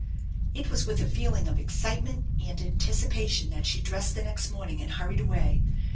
It was with a feeling of excitement and anticipation that she dressed the next morning and hurried away.